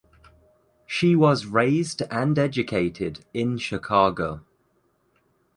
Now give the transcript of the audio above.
She was raised and educated in Chicago.